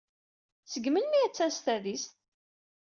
Seg melmi ay attan s tadist?